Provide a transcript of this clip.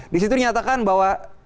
di situ dinyatakan bahwa